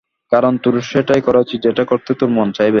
কারণ তোর সেটাই করা উচিত, যেটা করতে তোর মন চাইবে।